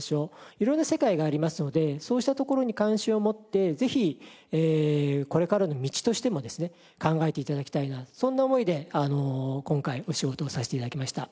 色んな世界がありますのでそうしたところに関心を持ってぜひこれからの道としてもですね考えて頂きたいなそんな思いで今回お仕事をさせて頂きました。